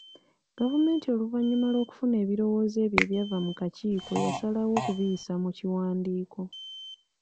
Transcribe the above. Gavumenti oluvannyuma lw'okufuna ebirowoozo ebyo ebyava mu kakiiko yasalawo okubiyisa mu kiwandiiko.